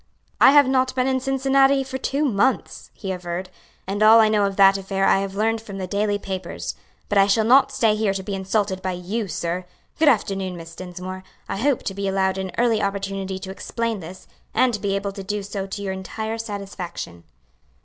"I have not been in Cincinnati for two months," he averred, "and all I know of that affair I have learned from the daily papers. But I shall not stay here to be insulted by you, sir. Good afternoon, Miss Dinsmore. I hope to be allowed an early opportunity to explain this, and to be able to do so to your entire satisfaction."